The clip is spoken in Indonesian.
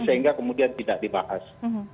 sehingga kemudian tidak dibahas